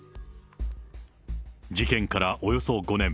事件からおよそ５年。